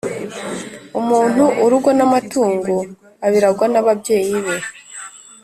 umuntu urugo n’amatungo abiragwa n’ababyeyi be